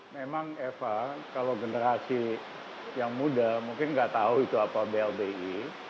memang eva kalau generasi yang muda mungkin nggak tahu itu apa blbi